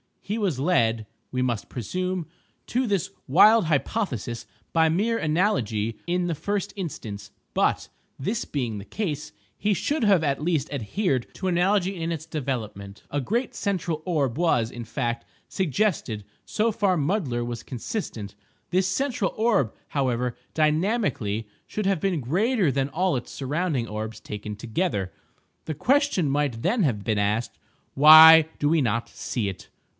He was led, we must presume, to this wild hypothesis by mere analogy in the first instance; but, this being the case, he should have at least adhered to analogy in its development. A great central orb was, in fact, suggested; so far Mudler was consistent. This central orb, however, dynamically, should have been greater than all its surrounding orbs taken together. The question might then have been asked—"Why do we not see it?"